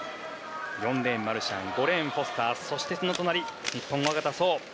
４レーン、マルシャン５レーン、フォスターそしてその隣、日本の小方颯。